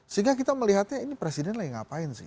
sehingga kita melihatnya ini presiden lagi ngapain sih